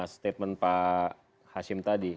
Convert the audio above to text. statement pak hashim tadi